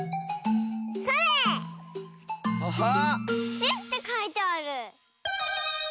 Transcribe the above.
「し」ってかいてある。